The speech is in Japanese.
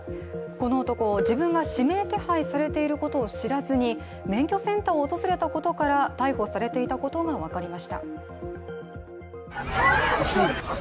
この男、自分が指名手配されていることを知らずに免許センターを訪れたことから逮捕されていたことが分かりました。